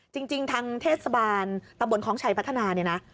จริงทางเทศสบานตำรวจคล้องชัยพัฒนา